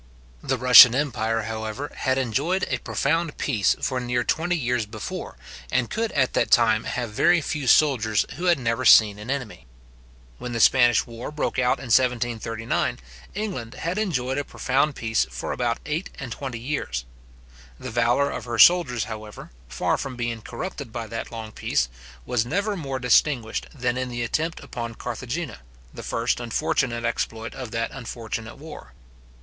The Russian empire, however, had enjoyed a profound peace for near twenty years before, and could at that time have very few soldiers who had ever seen an enemy. When the Spanish war broke out in 1739, England had enjoyed a profound peace for about eight and twenty years. The valour of her soldiers, however, far from being corrupted by that long peace, was never more distinguished than in the attempt upon Carthagena, the first unfortunate exploit of that unfortunate war.